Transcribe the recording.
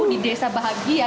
di desa bahagi ya